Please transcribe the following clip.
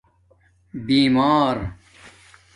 بیمار